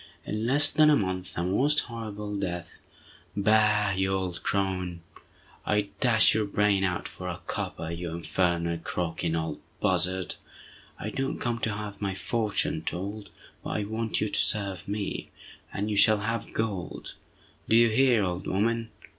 In less than a month, the most horrible death—" "Bah, you old crone! I'd dash your brains out for a copper, you infernal croaking old buzzard! I don't come to have my fortune told, but I want you to serve me, and you shall have gold—do you hear, old woman?